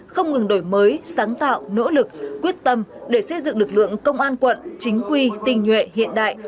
không ngừng đổi mới sáng tạo nỗ lực quyết tâm để xây dựng lực lượng công an quận chính quy tình nhuệ hiện đại